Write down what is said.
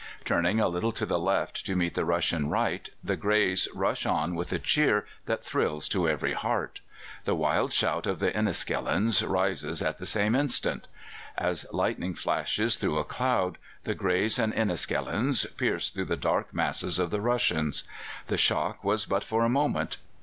"Turning a little to the left to meet the Russian right, the Greys rush on with a cheer that thrills to every heart; the wild shout of the Enniskillens rises at the same instant. As lightning flashes through a cloud, the Greys and Enniskillens pierce through the dark masses of the Russians. The shock was but for a moment.